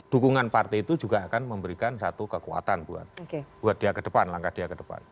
dukungan partai itu juga akan memberikan satu kekuatan buat dia ke depan langkah dia ke depan